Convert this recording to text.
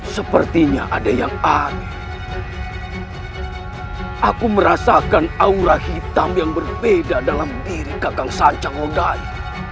sepertinya ada yang aneh aku merasakan aura hitam yang berbeda dalam diri kakang sancang odai